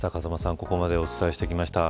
ここまでお伝えしてきました。